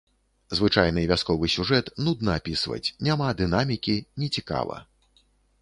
Звычайны вясковы сюжэт нудна апісваць, няма дынамікі, нецікава.